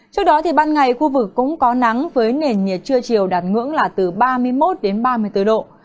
trước đó thì ban ngày khu vực cũng có nắng với nền nhiệt trưa chiều đạt ngưỡng là từ ba mươi một đến ba mươi bốn độ